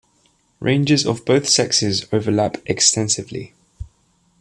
Ranges of both sexes overlapped extensively.